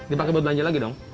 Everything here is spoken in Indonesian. dipakai buat belanja lagi dong